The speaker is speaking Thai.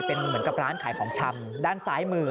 เป็นเหมือนกับร้านขายของชำด้านซ้ายมือ